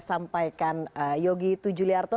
sampaikan yogi tujuliarto